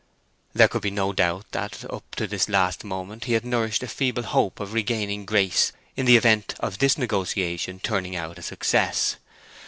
There could be no doubt that, up to this last moment, he had nourished a feeble hope of regaining Grace in the event of this negotiation turning out a success.